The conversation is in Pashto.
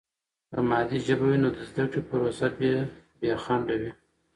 که مادي ژبه وي، نو د زده کړې پروسه به بې خنډه وي.